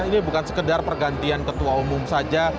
ini bukan sekedar pergantian ketua umum saja